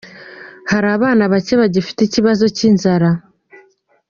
Hari abana bake bagifite ikibazo cy’inzara.